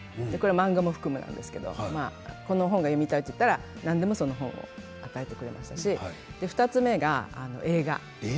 これ漫画も含むなんですけどこの本が読みたいと言ったら何でもその本を与えてくれましたし２つ目が映画。